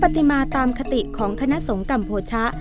พุทธพติมาตามคติของขณะสงตร์กรรมโพชะ